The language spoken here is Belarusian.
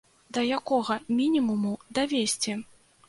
Да якога мінімуму давесці?